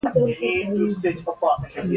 اودس تازه کړه ، بیا مسجد ته دننه سه!